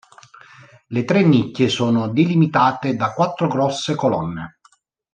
Le tre nicchie sono delimitate da quattro grosse colonne.